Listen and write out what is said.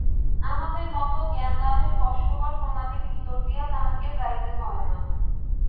আমাদের মত জ্ঞানলাভের কষ্টকর প্রণালীর ভিতর দিয়া তাঁহকে যাইতে হয় না।